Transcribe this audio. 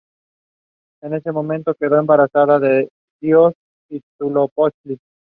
En ese momento, quedó embarazada del dios Huitzilopochtli.